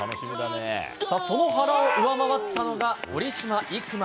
その原を上回ったのが堀島行真。